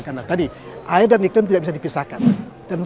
karena tadi air dan iklim tidak bisa dipisahkan